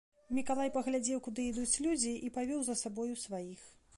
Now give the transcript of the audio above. Мікалай паглядзеў, куды ідуць людзі, і павёў за сабою сваіх.